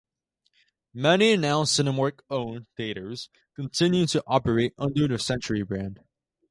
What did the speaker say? Many now-Cinemark-owned theaters continue to operate under the Century brand.